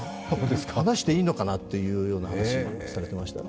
話していいのかなっていう話もされていました。